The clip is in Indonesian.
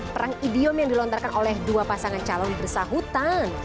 perang idiom yang dilontarkan oleh dua pasangan calon bersahutan